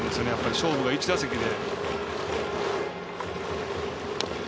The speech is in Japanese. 勝負が１打席で。